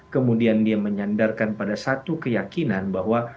kemudian dia menyandarkan pada satu keyakinan bahwa